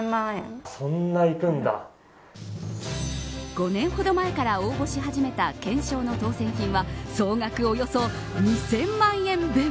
５年ほど前から応募し始めた懸賞の当選品は総額およそ２０００万円分。